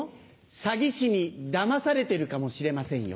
詐欺師にだまされてるかもしれませんよ。